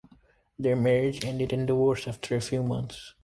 Their marriage ended in divorce after a few months.